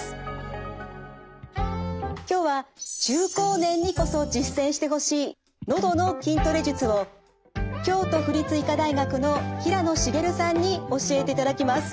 今日は中高年にこそ実践してほしいのどの筋トレ術を京都府立医科大学の平野滋さんに教えていただきます。